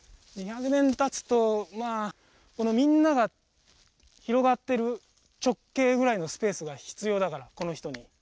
２００年経つとまあみんなが広がっている直径ぐらいのスペースが必要だからこの人に。